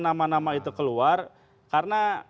nama nama itu keluar karena